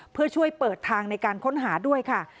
เพื่อช่วยเปิดทางในการค้นหาด้วยค่ะ